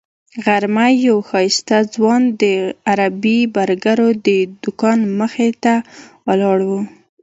غرمه یو ښایسته ځوان د عربي برګرو د دوکان مخې ته ولاړ و.